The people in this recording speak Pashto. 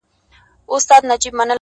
سره رڼا د سُرکو سونډو په کوټه کي!